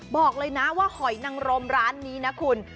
บอกเลยนะว่าหอยนังรมร้านนี้นะคุณ